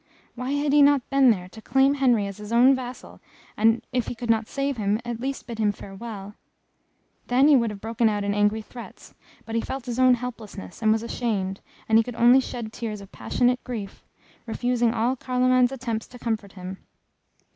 Why had he not been there, to claim Henry as his own vassal, and if he could not save him, at least bid him farewell? Then he would have broken out in angry threats, but he felt his own helplessness, and was ashamed, and he could only shed tears of passionate grief, refusing all Carloman's attempts to comfort him.